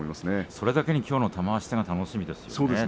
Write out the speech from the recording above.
それだけにきょうの玉鷲戦は楽しみですね。